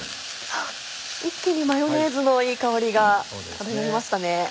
あっ一気にマヨネーズのいい香りが漂いましたね。